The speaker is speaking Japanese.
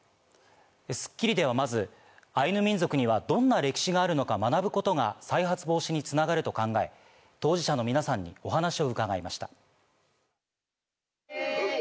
『スッキリ』ではまずアイヌ民族にはどんな歴史があるのか学ぶことが再発防止につながると考え当事者の皆さんにお話を伺いました。